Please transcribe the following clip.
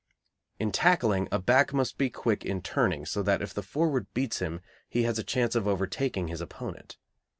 In tackling, a back must be quick in turning, so that if the forward beats him he has a chance of overtaking his opponent.